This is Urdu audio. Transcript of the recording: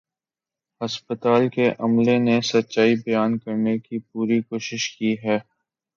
ہسپتال کے عملے نے سچائی بیان کرنے کی پوری کوشش کی ہے